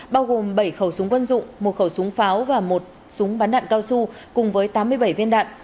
bao gồm bảy khẩu súng quân dụng một khẩu súng pháo và một súng bắn đạn cao su cùng với tám mươi bảy viên đạn